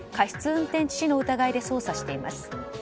運転致死の疑いで捜査しています。